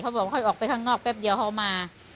บอกให้ออกไปข้างนอกแป๊บเดียวเขามา